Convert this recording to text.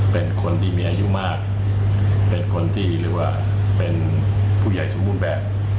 เป็นคนที่มีอายุมากเป็นคนที่หรือว่าเป็นผู้ใหญ่สมบูรณ์แบบ